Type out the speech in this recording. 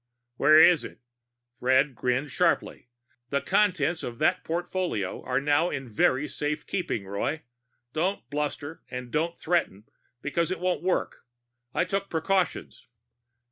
"Where is it?" Fred grinned sharply. "The contents of that portfolio are now in very safe keeping, Roy. Don't bluster and don't threaten, because it won't work. I took precautions."